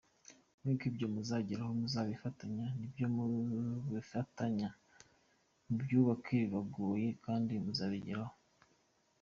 Nkuko ibyo muzageraho muzabifatanya nibyo mubifatanye mubyubake bibanogeye kandi muzabigeraho.